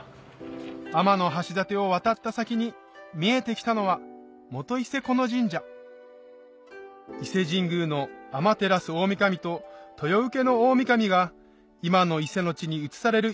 天橋立を渡った先に見えてきたのは伊勢神宮の天照大御神と豊受大御神が今の伊勢の地に移される